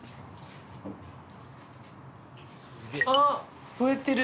あっ増えてる。